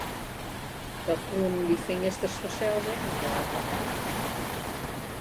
Dat koenen dy Feansters fansels ek net helpe.